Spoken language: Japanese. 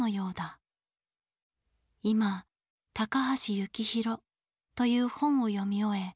いま『高橋幸宏』という本を読み終え